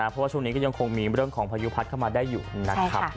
เพราะว่าช่วงนี้ก็ยังคงมีเรื่องของพายุพัดเข้ามาได้อยู่นะครับ